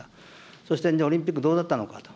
そして、オリンピックどうだったのかと。